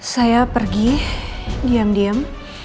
saya pergi diam diam